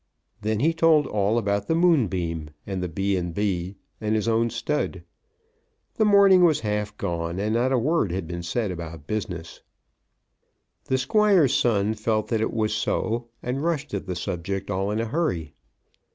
Then he told all about the Moonbeam and the B. & B., and his own stud. The morning was half gone, and not a word had been said about business. The Squire's son felt that it was so, and rushed at the subject all in a hurry.